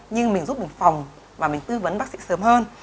nhưng mình giúp mình phòng và mình tư vấn bác sĩ sớm hơn